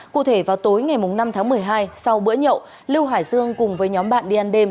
cụ thể vào tối ngày năm tháng một mươi hai sau bữa nhậu lưu hải dương cùng với nhóm bạn đi ăn đêm